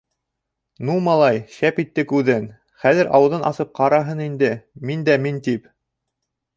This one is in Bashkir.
— Ну, малай, шәп иттек үҙен. хәҙер ауыҙын асып ҡараһын инде, мин дә мин тип.